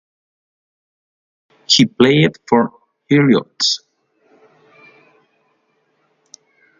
He played for Heriots.